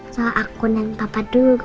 soal aku dan papa dulu